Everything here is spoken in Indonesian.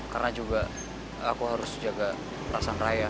karena juga aku harus jaga perasaan raya